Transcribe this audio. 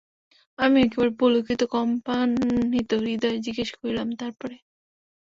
আমি একেবারে পুলকিত কম্পান্বিত হৃদয়ে জিজ্ঞাসা করিলাম, তারপরে?